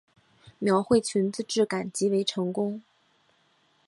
描绘裙子质感极为成功